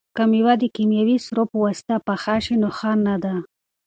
که مېوه د کیمیاوي سرو په واسطه پخه شي نو ښه نه ده.